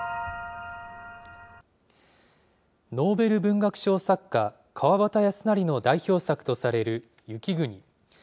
ノーベル文学賞作家、川端康成の代表作とされる雪国。